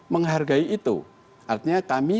menghargai itu artinya kami